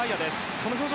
この表情